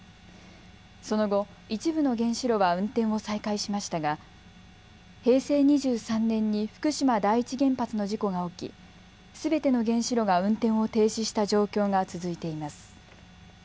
その後、一部の原子炉は運転を再開しましたが平成２３年に福島第一原発の事故が起き全ての原子炉が運転を停止した状況が続いています。